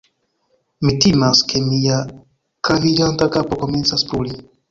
Mi timas, ke mia kalviĝanta kapo komencas bruli